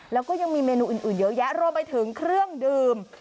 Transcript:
แล้วก็ยังมีเมนูอื่นเยอะแยะรวมไปถึงเครื่องดื่ม